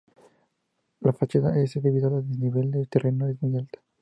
La fachada S, debido al desnivel del terreno, es muy alta.